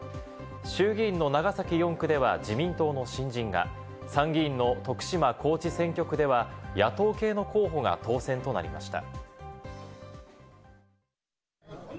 衆議院の長崎４区では自民党の新人が、参議院の徳島・高知選挙区では野党系の候補が当選となりました。